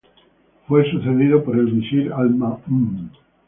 Fue sucedido por el visir Al-Ma'mum.